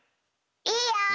いいよ！